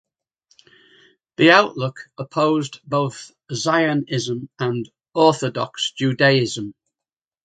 The "Outlook" opposed both Zionism and Orthodox Judaism.